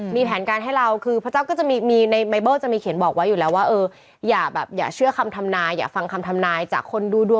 ห้ามใครให้ลูกชายหรือลูกสาว